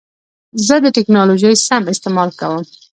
زه د ټکنالوژۍ سم استعمال کوم.